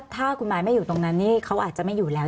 ถ้าคุณมายไม่อยู่ตรงนั้นนี่เขาอาจจะไม่อยู่แล้ว